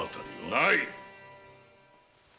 ない！